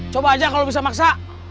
coba aja kalau bisa maksa